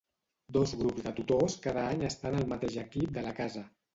Dos grups de tutors cada any estan al mateix equip de la casa.